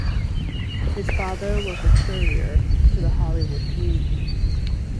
His father was a furrier to the Hollywood community.